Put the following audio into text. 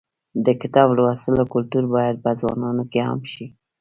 د کتاب لوستلو کلتور باید په ځوانانو کې عام شي.